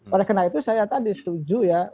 oleh karena itu saya tadi setuju ya